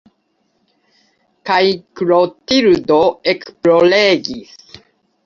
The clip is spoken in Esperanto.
Kaj Klotildo ekploregis.